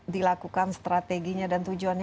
dilakukan strateginya dan tujuannya